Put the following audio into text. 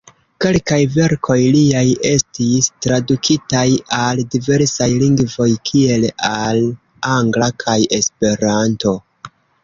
Kelkaj verkoj liaj estis tradukitaj al diversaj lingvoj, kiel al angla kaj Esperanto.